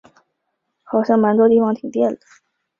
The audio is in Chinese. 好像蛮多地方停电了